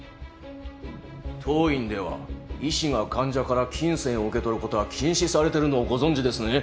当院では医師が患者から金銭を受け取る事は禁止されてるのをご存じですね。